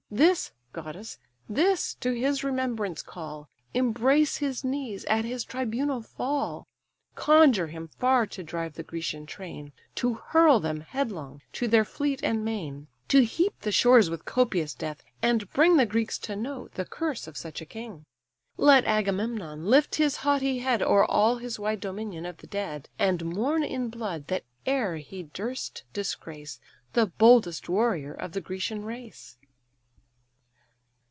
This, goddess, this to his remembrance call, Embrace his knees, at his tribunal fall; Conjure him far to drive the Grecian train, To hurl them headlong to their fleet and main, To heap the shores with copious death, and bring The Greeks to know the curse of such a king. Let Agamemnon lift his haughty head O'er all his wide dominion of the dead, And mourn in blood that e'er he durst disgrace The boldest warrior of the Grecian race."